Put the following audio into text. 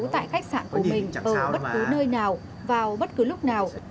tại khách sạn của mình ở bất cứ nơi nào vào bất cứ lúc nào